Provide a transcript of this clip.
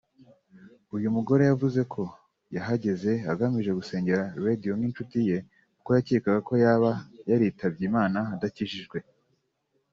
uyu mugore yavuze ko yahageze agamije gusengera Radio nk’inshuti ye kuko yakekaga ko yaba yaritabye Imana adakijijwe